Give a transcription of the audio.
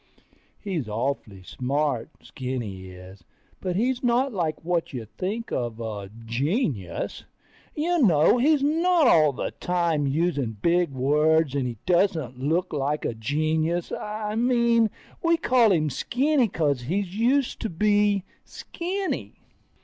He's awful smart, Skinny is, but he's not like what you think of a genius. You know, he's not all the time using big words, and he doesn't look like a genius. I mean, we call him Skinny 'cause he used to be Skinny.